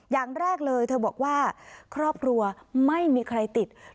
อย่างแรกเลยเธอบอกว่าครอบครัวไม่มีใครติด